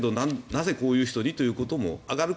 なぜこういう人にということも挙がる